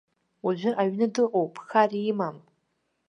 Уажәы аҩны дыҟоуп, хар имам.